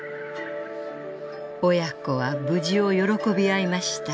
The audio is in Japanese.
親子は無事を喜び合いました。